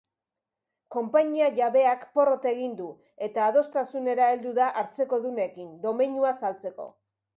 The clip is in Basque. Konpainia jabeak porrot egin du eta adostasunera heldu da hartzekodunekin, domeinua saltzeko.